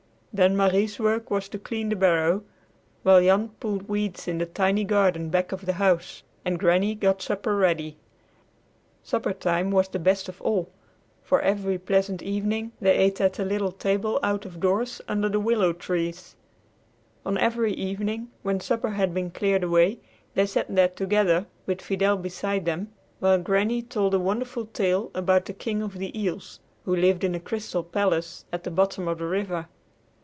Then Marie's work was to clean the barrow, while Jan pulled weeds in the tiny garden back of the house, and Granny got supper ready. Supper time was the best of all, for every pleasant evening they ate at a little table out of doors under the willow trees. One evening, when supper had been cleared away, they sat there together, with Fidel beside them, while Granny told a wonderful tale about the King of the Eels who lived in a crystal palace at the bottom of the river.